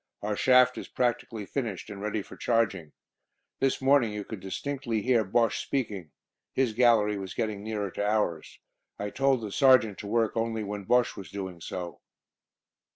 "Our shaft is practically finished, and ready for charging. This morning you could distinctly hear Bosche speaking. His gallery was getting nearer to ours. I told the Sergeant to work only when Bosche was doing so."